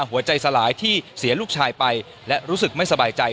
หัวใจสลายที่เสียลูกชายไปและรู้สึกไม่สบายใจ